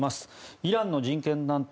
イランの人権団体